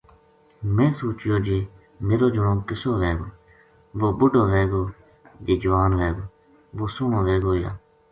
میں سوچیو جے میرو جنو کِسو وھے گو ؟ وُہ بُڈھو وھے گو جے جوان وھے گو ؟ وُہ سوہنو وھے گو یا